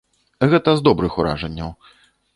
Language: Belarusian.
Гэта з добрых уражанняў.